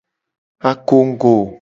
Akongugo.